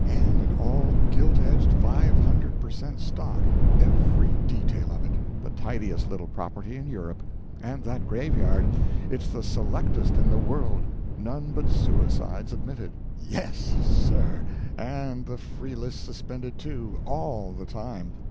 And all gilt edged five hundred per cent. stock, every detail of it; the tidiest little property in Europe; and that graveyard it's the selectest in the world: none but suicides admitted; yes, sir, and the free list suspended, too, _all _the time.